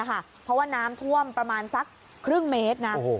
เพราะว่าน้ำท่วมประมาณสักครึ่งเมตรนะ